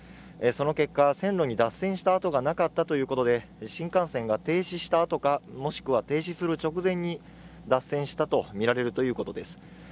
その結果線路に脱線した跡がなかったということで新幹線が停止したもしくは停止する直前に脱線したと見られるということです